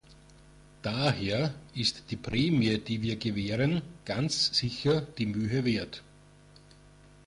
Daher ist die Prämie, die wir gewähren, ganz sicher die Mühe wert.